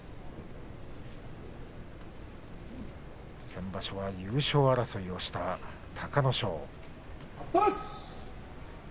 先場所は優勝争いをした隆の勝。